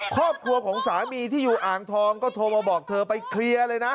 ครอบครัวของสามีที่อยู่อ่างทองก็โทรมาบอกเธอไปเคลียร์เลยนะ